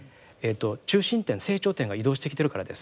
中心点成長点が移動してきてるからです。